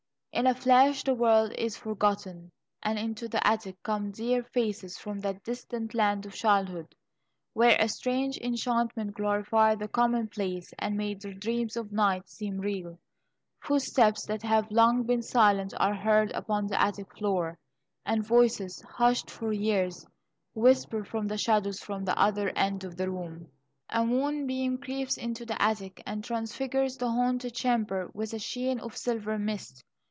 In a flash the world is forgotten, and into the attic come dear faces from that distant land of childhood, where a strange enchantment glorified the commonplace, and made the dreams of night seem real. Footsteps that have long been silent are heard upon the attic floor, and voices, hushed for years, whisper from the shadows from the other end of the room. A moonbeam creeps into the attic and transfigures the haunted chamber with a sheen of silver mist.